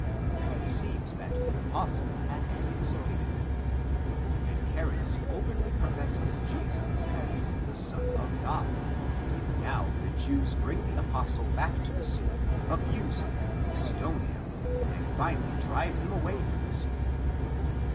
But it seems that the apostle had anticipated them. Anchares openly professes Jesus as the Son of God. Now the Jews bring the apostle back to the city, abuse him, stone him and finally drive him away from the city.